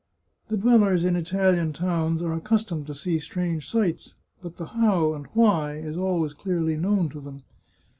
The dwellers in Italian towns are ac customed to see strange sights, but the how and why is always clearly known to them.